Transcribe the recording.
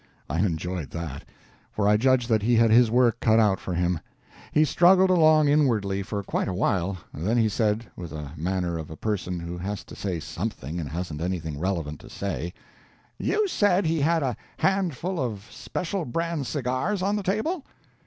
I enjoyed that, for I judged that he had his work cut out for him. He struggled along inwardly for quite a while; then he said, with a manner of a person who has to say something and hasn't anything relevant to say: "You said he had a handful of special brand cigars on the table?"